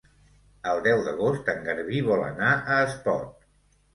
El deu d'agost en Garbí vol anar a Espot.